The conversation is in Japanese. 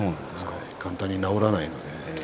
簡単に治らないので。